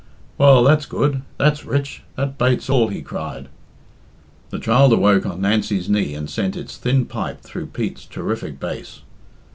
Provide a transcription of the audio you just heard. "Well, that's good! that's rich! that bates all!" he cried. The child awoke on Nancy's knee and sent its thin pipe through Pete's terrific bass.